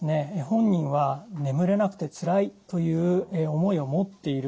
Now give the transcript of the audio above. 本人は眠れなくてつらいという思いを持っているんです。